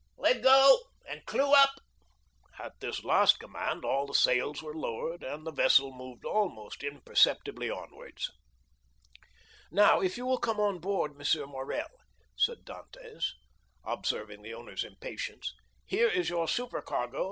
"Let go—and clue up!" At this last command all the sails were lowered, and the vessel moved almost imperceptibly onwards. "Now, if you will come on board, M. Morrel," said Dantès, observing the owner's impatience, "here is your supercargo, M.